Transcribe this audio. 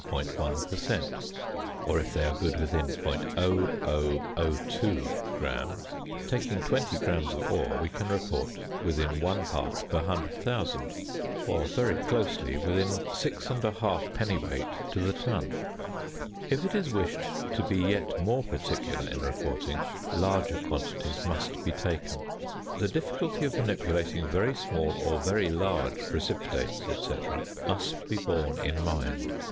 1 per cent., or if they are good within 0.0002 gram, taking 20 grams of ore, we can report within 1 part per 100,000, or very closely within 6 1/2 dwt. to the ton. If it is wished to be yet more particular in reporting, larger quantities must be taken. The difficulty of manipulating very small or very large precipitates, &c., must be borne in mind.